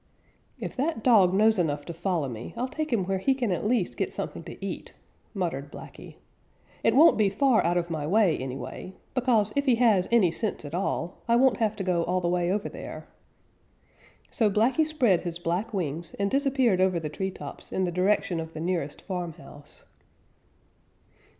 "If that dog knows enough to follow me, I'll take him where he can at least get something to eat," muttered Blacky. "It won't be far out of my way, anyway, because if he has any sense at all, I won't have to go all the way over there." So Blacky spread his black wings and disappeared over the tree tops in the direction of the nearest farmhouse.